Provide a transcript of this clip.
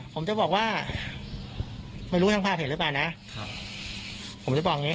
ผมจะบอกว่าไม่รู้ทางภาพเหตุหรือเปล่านะผมจะบอกนี้